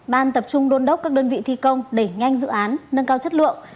ban tập trung đôn đốc các đơn vị thi công đẩy nhanh dự án nâng cao chất lượng